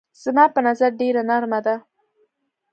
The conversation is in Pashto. زما په نظر ډېره نرمه ده.